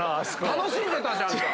楽しんでたじゃんか！